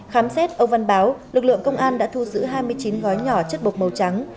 khám xét ông văn báo lực lượng công an đã thu giữ hai mươi chín gói nhỏ chất bột màu trắng